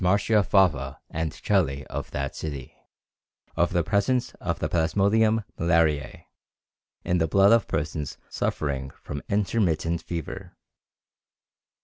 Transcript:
Marchiafava and Celli, of that city, of the presence of the plasmodium malariæ in the blood of persons suffering from intermittent fever.